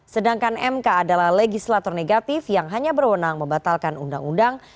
sedangkan mk adalah legislator negatif yang hanya berwenang membatalkan undang undang